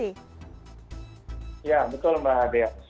ya betul mbak dea